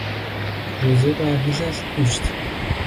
روز پرهیز از گوشت